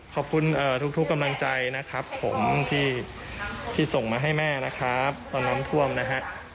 ขอบคุณทุกกำลังใจนะครับผมที่ส่งมาให้แม่นะครับตอนน้ำท่วมนะฮะ